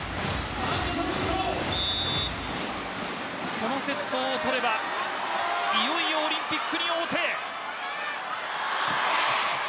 このセットを取ればいよいよオリンピックに王手。